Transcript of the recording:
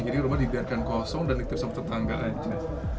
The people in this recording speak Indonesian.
jadi rumah dibiarkan kosong dan diktiris sama tetangga aja